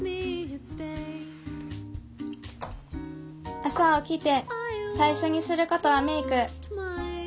朝起きて最初にすることはメイク。